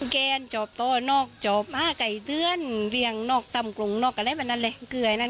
ก็จะตีปกติอะไรแบบนั้น